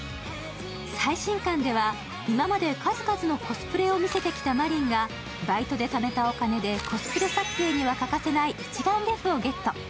最新巻では、今まで数々のコスプレを見せてきた海夢がバイトでためたお金でコスプレ撮影には欠かせない一眼レフをゲット。